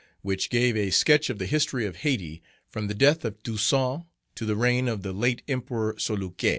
which gave a sketch of the history of Hayti from the death of Toussaint to the reign of the late Emperor Soulouque.